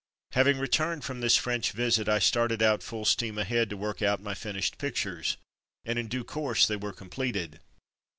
Having returned from this French visit I started out full steam ahead to work out my finished pictures, and in due course they were completed.